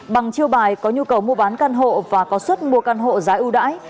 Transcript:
bằng chiêu bài có nhu cầu mua bán căn hộ và có suất mua căn hộ giá ưu đãi